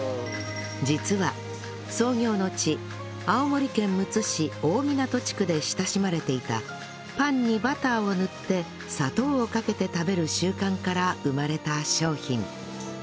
実は創業の地青森県むつ市大湊地区で親しまれていたパンにバターを塗って砂糖をかけて食べる習慣から生まれた商品